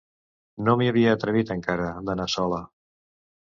No m'hi havia atrevit encara, d'anar sola.